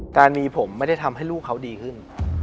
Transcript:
การมีผมไม่ได้ทำให้ลูกเขาดีขึ้น